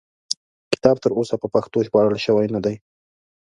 کتاب تر اوسه په پښتو ژباړل شوی نه دی.